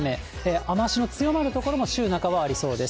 雨足の強まる所も週半ばはありそうです。